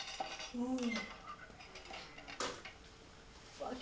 うん。